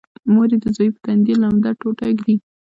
مور یې د زوی په تندي لمده ټوټه ږدي